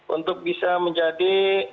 untuk bisa menjadi